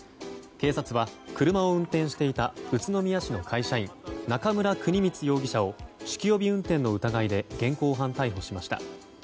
警察は車を運転していた宇都宮市の会社員中村邦光容疑者を酒気帯び運転の疑いで現行犯逮捕しました。